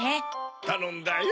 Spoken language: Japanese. たのんだよ。